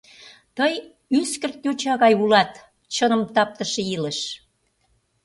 Тые ӱскырт йоча гай улат, чыным таптыше илыш.